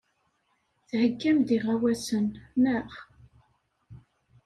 Theyyam-d iɣawasen, naɣ?